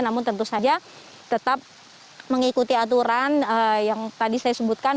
namun tentu saja tetap mengikuti aturan yang tadi saya sebutkan